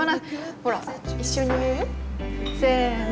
ほら一緒に言うよせの。